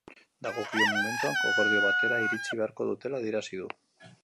Dagokion momentuan akordio batera iritsi beharko dutela adierazi du.